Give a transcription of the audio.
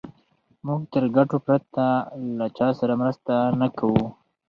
موږ تر ګټو پرته له چا سره مرسته نه کوو.